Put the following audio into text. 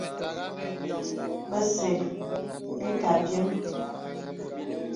Bə̀zə̄ bə̀ ǐ kə̀ abyēm.